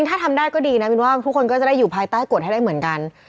ถ้าทำได้ก็ดีนะมินว่าทุกคนก็จะได้อยู่ภายใต้กฎให้ได้เหมือนกัน